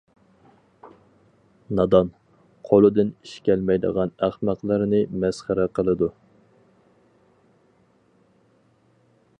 نادان، قولىدىن ئىش كەلمەيدىغان ئەخمەقلەرنى مەسخىرە قىلىدۇ.